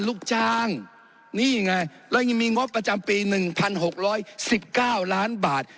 ลูกจ้างนี่ไงแล้วยังมีงบประจำปีหนึ่งพันหกร้อยสิบเก้าล้านบาท